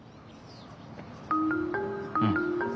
うん。